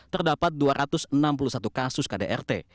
terdapat dua ratus enam puluh satu kasus kdrt